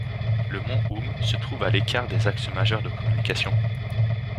Le mont Hum se trouve à l'écart des axes majeurs de communication.